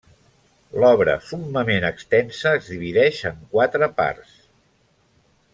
L'obra, summament extensa, es divideix en quatre parts.